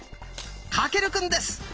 翔くんです！